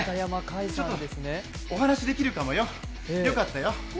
お話できるかもよ、よかったよ。